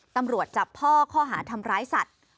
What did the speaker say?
ตำรวจจับพ่อข้อหาทำร้ายสัตว์